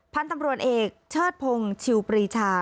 พันธุ์ตำรวจเอกเชิดพงศ์ชิวปรีชา